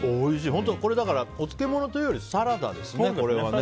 本当これお漬物というよりサラダですね。